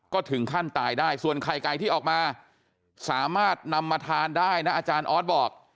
ก็ถึงขั้นตายได้ส่วนไข่ไก่ที่ออกมาสามารถนำมาทานได้นะอาจารย์ออสบอก